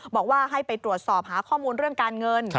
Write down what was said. บอกว่าให้ไปตรวจสอบหาข้อมูลเรื่องการเงิน